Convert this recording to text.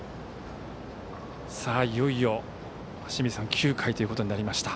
いよいよ９回ということになりました。